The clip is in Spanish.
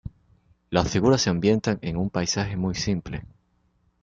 Las figuras se ambientan en un paisaje muy simple.